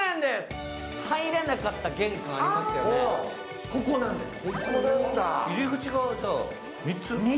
入らなかった玄関ありますよね、ここなんです。